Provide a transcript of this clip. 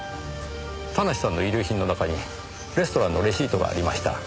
田無さんの遺留品の中にレストランのレシートがありました。